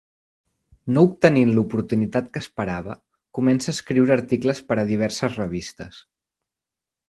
No obtenint l'oportunitat que esperava, comença a escriure articles per a diverses revistes.